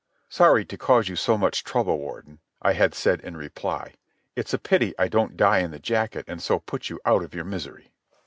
"Sorry to cause you so much trouble, Warden," I had said in reply. "It's a pity I don't die in the jacket and so put you out of your misery."